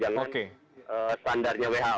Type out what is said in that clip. jangan standarnya who